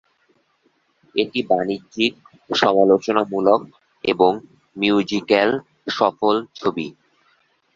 এটি বাণিজ্যিক, সমালোচনামূলক এবং মিউজিক্যাল সফল ছবি।